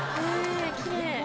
きれい。